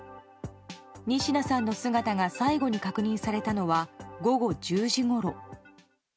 仁科さんの姿が最後に確認されたのは午後１０時ごろ。